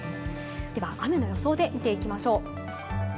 では、予想を見ていきましょう。